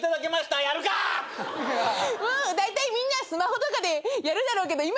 「だいたいみんなスマホとかでやるだろうけど今